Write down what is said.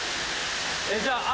じゃあ。え！